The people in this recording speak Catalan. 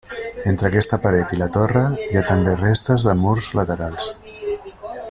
Entre aquesta paret i la torre hi ha també restes de murs laterals.